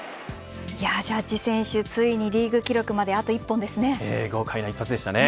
ジャッジ選手、ついにリーグ記録まであと１本ですね。